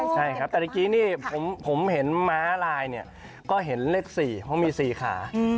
แต่ตะกี้นี่ผมเห็นม้าลายนี่ก็เห็นเลข๔เพราะมี๔ขา